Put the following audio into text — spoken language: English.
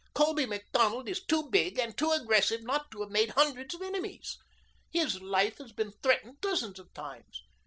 Colby Macdonald is too big and too aggressive not to have made hundreds of enemies. His life has been threatened dozens of times.